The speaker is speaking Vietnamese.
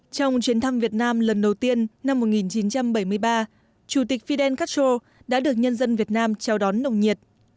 trong chuyến thăm việt nam lần đầu tiên năm một nghìn chín trăm bảy mươi ba chủ tịch fidel castro đã được nhân dân việt nam chào đón nồng nhiệt